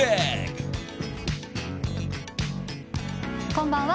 こんばんは。